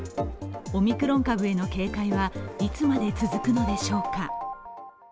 オミクロン株への警戒はいつまで続くのでしょうか。